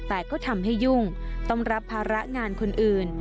แต่ก็ทำให้ยุ่งต้องรับภาระงานคนอื่น